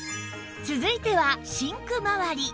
続いてはシンクまわり